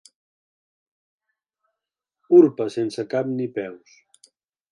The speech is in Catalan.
Urpa sense cap ni peus.